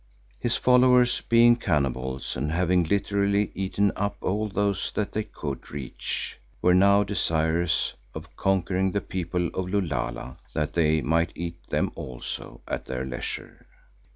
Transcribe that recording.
His followers being cannibals and having literally eaten up all those that they could reach, were now desirous of conquering the people of Lulala that they might eat them also at their leisure.